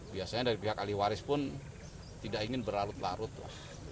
biasanya dari pihak ahli waris pun tidak ingin berlarut larut lah